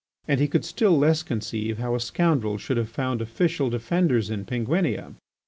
And he could still less conceive how a scoundrel should have found official defenders in Penguinia.